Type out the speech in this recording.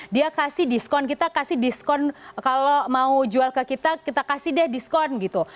dia kasih diskon kita kasih diskon kalau mau jual ke kita kita kasih deh diskon gitu